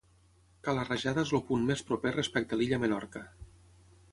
Cala Rajada és el punt més proper respecte l'illa Menorca.